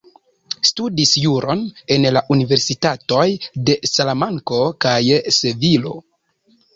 Studis juron en la universitatoj de Salamanko kaj Sevilo.